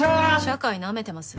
社会なめてます？